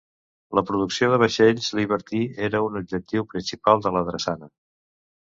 La producció de vaixells Liberty era un objectiu principal de la drassana.